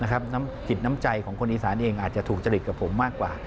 น้ำจิตน้ำใจของคนอีสานเองอาจจะถูกจริตกับผมมากกว่า